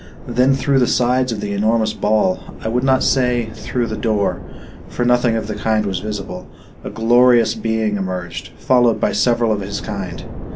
Then through the sides of the enormous ball I would not say, through the door, for nothing of the kind was visible a glorious being emerged, followed by several of his kind.